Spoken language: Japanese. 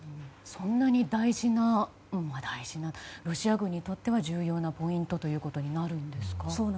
そんなにロシア軍にとっては重要なポイントということになるんですか。